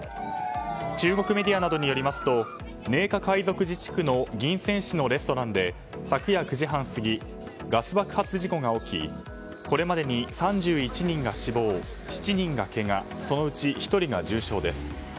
中国メディアなどによりますと寧夏回族自治区のレストランで昨夜９時半過ぎガス爆発事故が起きこれまでに３１人が死亡７人がけがそのうち１人が重傷です。